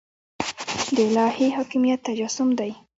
د الهي حاکمیت تجسم دی.